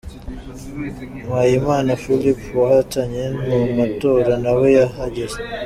Mpayimana Philipe wahatanye mu matora nawe yahageze.